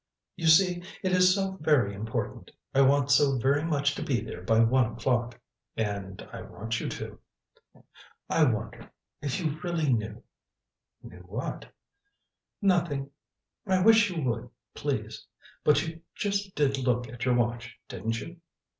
"You see, it is so very important. I want so very much to be there by one o'clock." "And I want you to." "I wonder if you really knew " "Knew what?" "Nothing. I wish you would, please but you just did look at your watch, didn't you?"